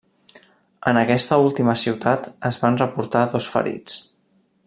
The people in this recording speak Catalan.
En aquesta última ciutat es van reportar dos ferits.